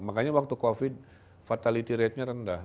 makanya waktu covid fatality ratenya rendah